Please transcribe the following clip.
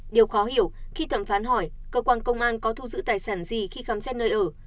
điều khó hiểu khi thẩm phán hỏi cơ quan công an có thu giữ tài sản gì khi khám xét nơi ở